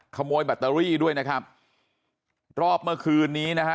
แบตเตอรี่ด้วยนะครับรอบเมื่อคืนนี้นะฮะ